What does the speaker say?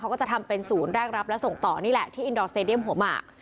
เขาก็จะทำเป็นศูนย์แรกรับและส่งต่อนี่แหละที่อินดอร์สเตดียมหัวหมาก